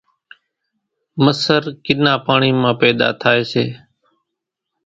مسر ڪِنا پاڻِي مان ٿِي پيۮا ٿائيَ سي۔